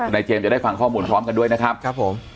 เจมส์จะได้ฟังข้อมูลพร้อมกันด้วยนะครับครับผม